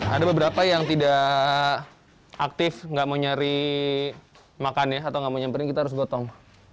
ada beberapa yang tidak aktif nggak mau nyari makannya atau nggak mau nyamperin kita harus gotong